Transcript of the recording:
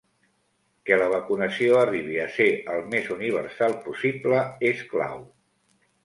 Que la vacunació arribi a ser el més universal possible és clau.